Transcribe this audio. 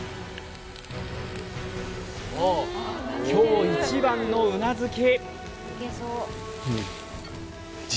今日一番のうなずき